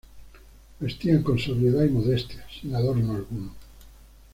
Vestían con sobriedad y modestia, sin adorno alguno.